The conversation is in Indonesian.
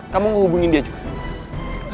kamu gak hubungin dia juga